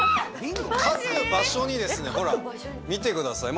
各場所にですねほら見てください